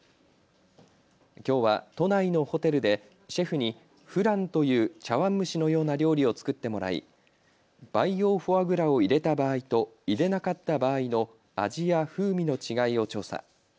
きょうは都内のホテルでシェフにフランという茶わん蒸しのような料理を作ってもらい培養フォアグラを入れた場合と入れなかった場合の味や風味の違いを調査。